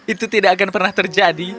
itu tidak akan pernah terjadi